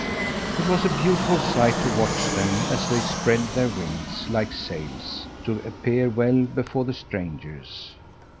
It was a beautiful sight to watch them as they spread their wings, like sails, to appear well before the strangers.